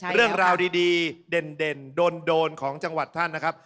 เรื่องราวดีเด่นโดนของจังหวัดท่านนะครับ